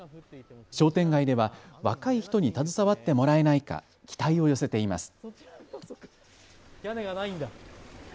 商店街では若い人に携わってもらえないか期待を寄せています。